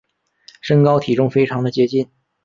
身高体重非常的接近